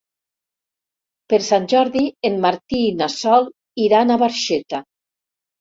Per Sant Jordi en Martí i na Sol iran a Barxeta.